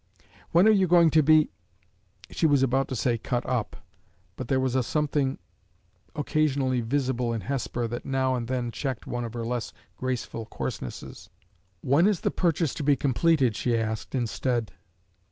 "When are you going to be " she was about to say "cut up" but there was a something occasionally visible in Hesper that now and then checked one of her less graceful coarsenesses. "When is the purchase to be completed?" she asked, instead.